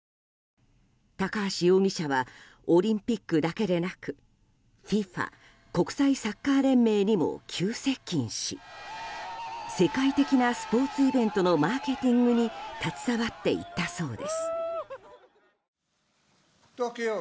高橋容疑者はオリンピックだけでなくＦＩＦＡ・国際サッカー連盟にも急接近し世界的なスポーツイベントのマーケティングに携わっていったそうです。